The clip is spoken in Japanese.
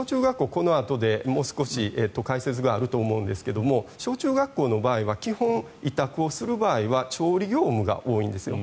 このあとでもう少し解説があると思うんですが小中学校の場合は基本、委託をする場合は調理業務が多いんですよ。